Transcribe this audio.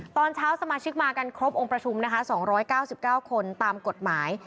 ตอนเช้าสมาชิกมากันครบองค์ประชุมนะคะ๒๙๙คนตามกฎหมาย